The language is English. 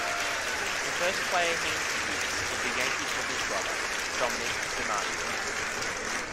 The first player he introduced was the Yankee Clipper's brother, Dominic DiMaggio.